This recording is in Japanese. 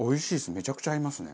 めちゃくちゃ合いますね。